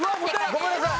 ごめんなさい！